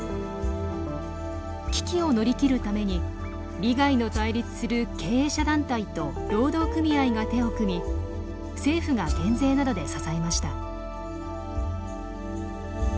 危機を乗り切るために利害の対立する経営者団体と労働組合が手を組み政府が減税などで支えました。